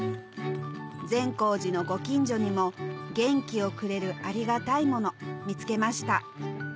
善光寺のご近所にも元気をくれるありがたいもの見つけました